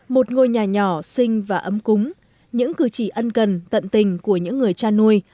một ngôi nhà nhỏ xinh và ấm cúng những cư trì ân cần tận tình của những người cha nuôi